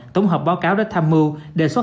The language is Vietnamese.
tổng hợp báo cáo đất tham mưu đề xuất